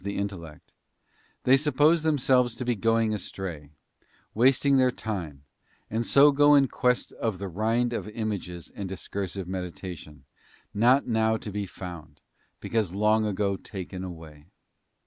BOOK the intellect, they suppose themselves to be going astray, ~ wasting their time, and so go in quest of the rind of images and discursive meditation, not now to be found, because long ago taken away.